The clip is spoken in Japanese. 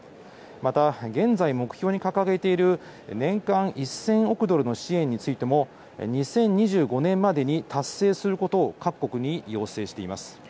また、現在目標に掲げている年間１０００億ドルの支援についても２０２５年までに達成することを各国に要請しています。